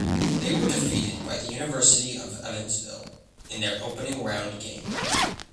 They were defeated by the University of Evansville in their opening round game.